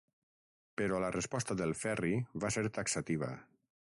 Però la resposta del Ferri va ser taxativa.